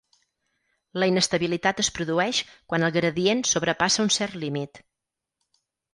La inestabilitat es produïx quan el gradient sobrepassa un cert límit.